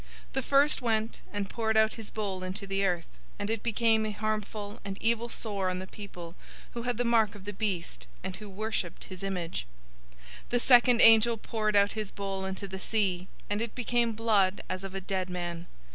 016:002 The first went, and poured out his bowl into the earth, and it became a harmful and evil sore on the people who had the mark of the beast, and who worshiped his image. 016:003 The second angel poured out his bowl into the sea, and it became blood as of a dead man.